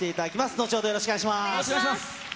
後ほど、よろしくお願いしお願いします。